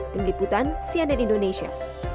tim liputan cnn indonesia